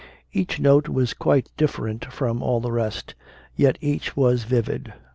Each note was quite different from all the rest, yet each was vivid.